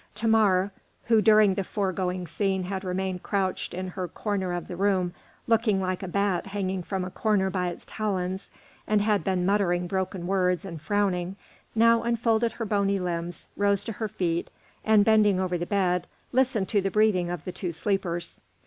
Thamar, who during the foregoing scene had remained crouched in her corner of the room, looking like a bat hanging from a corner by its talons, and had been muttering broken words and frowning, now unfolded her bony limbs, rose to her feet, and bending over the bed, listened to the breathing of the two sleepers.